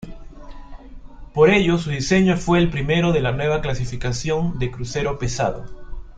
Por ello su diseño fue el primero de la nueva clasificación de crucero pesado.